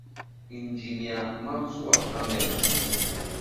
Injinia Mansur Ahmed